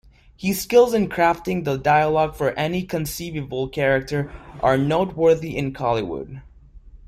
His skills in crafting the dialogue for any conceivable character are noteworthy in Kollywood.